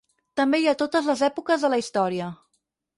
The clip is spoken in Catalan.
També hi ha totes les èpoques de la història.